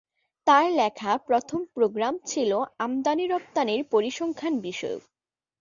তার লেখা প্রথম প্রোগ্রাম ছিলো আমদানি-রপ্তানির পরিসংখ্যান বিষয়ক।